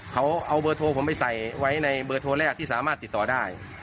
เขาเอาเบอร์โทรผมไปใส่ไว้ในเบอร์โทรแรกที่สามารถติดต่อได้